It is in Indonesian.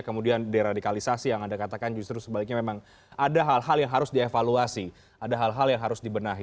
kemudian deradikalisasi yang anda katakan justru sebaliknya memang ada hal hal yang harus dievaluasi ada hal hal yang harus dibenahi